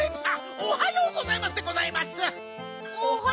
おはようございます。